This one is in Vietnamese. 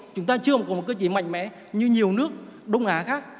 chúng ta chưa có một cơ chế mạnh mẽ như nhiều nước đông á khác